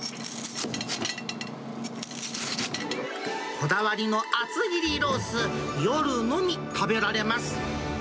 こだわりの厚切りロース、夜のみ食べられます。